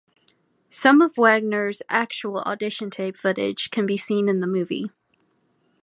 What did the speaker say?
Some of Waggoner's actual audition tape footage can be seen in the movie.